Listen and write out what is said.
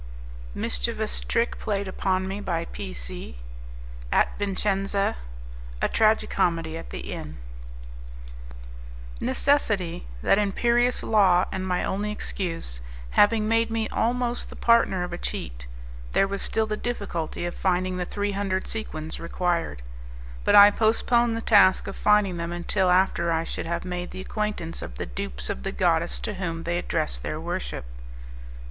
Mischievous Trick Played Upon Me By P. C. At Vincenza A Tragi comedy At the Inn Necessity, that imperious law and my only excuse, having made me almost the partner of a cheat, there was still the difficulty of finding the three hundred sequins required; but I postponed the task of finding them until after I should have made the acquaintance of the dupes of the goddess to whom they addressed their worship.